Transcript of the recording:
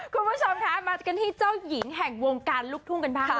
คุณผู้ชมคะมากันที่เจ้าหญิงแห่งวงการลูกทุ่งกันบ้าง